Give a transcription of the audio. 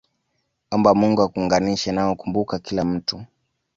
omba Mungu akuunganishe nao Kumbuka kila mtu